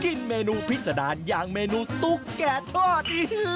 กินเมนูพิษดารอย่างเมนูตุ๊กแก่ทอด